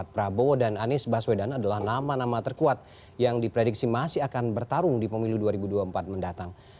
prabowo dan anies baswedan adalah nama nama terkuat yang diprediksi masih akan bertarung di pemilu dua ribu dua puluh empat mendatang